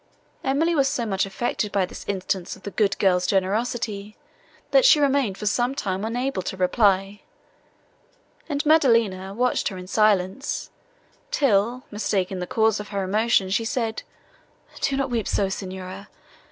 Emily was so much affected by this instance of the good girl's generosity, that she remained for some time unable to reply, and Maddelina watched her in silence, till, mistaking the cause of her emotion, she said, "Do not weep so, Signora!